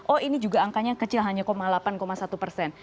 oh ini juga angkanya kecil hanya delapan satu persen